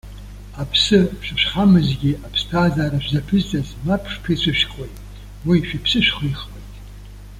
Аԥсы шышәхамызгьы, аԥсҭазаара шәзаԥызҵаз мап шԥеицәышәкуеи? Уи шәыԥсы шәхихуеит.